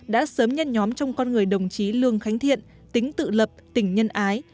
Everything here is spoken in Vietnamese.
đã sớm nhân nhóm trong con người đồng chí lường khánh thiện tính tự lập tỉnh nhân ái